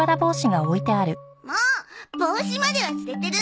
もう帽子まで忘れてる！